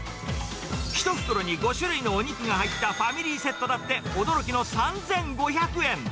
１袋に５種類のお肉が入ったファミリーセットだって驚きの３５００円。